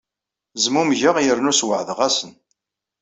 Zmumgeɣ yernu sweɛdeɣ-asen.